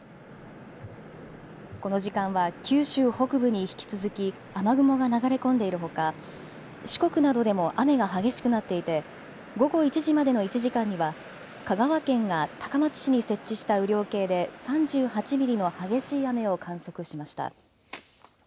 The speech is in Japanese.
この時間は九州北部に引き続き雨雲が流れ込んでいるほか四国などでも雨が激しくなっていて午後１時までの１時間には香川県が高松市に設置した雨量計で３８ミリの激しい雨を観測しました。